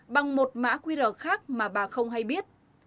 bằng một mã qr khác mà bà không hay biết